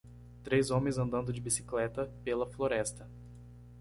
Três homens andando de bicicleta pela floresta.